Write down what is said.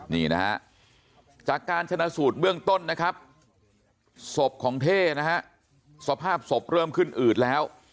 นี่นะฮะจากการชนะสูตรเบื้องต้นนะครับศพของเท่นะฮะสภาพศพเริ่มขึ้นอืดแล้ว